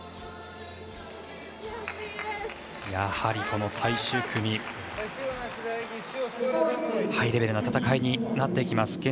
やはり、最終組ハイレベルな戦いになっていきます。